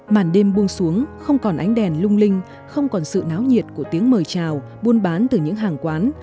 màn đêm buông xuống không còn ánh đèn lung linh không còn sự náo nhiệt của tiếng mời chào buôn bán từ những hàng quán